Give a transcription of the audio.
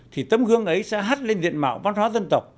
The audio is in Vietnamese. thì tấm gương ấy sẽ hắt lên diện mạo văn hóa dân tộc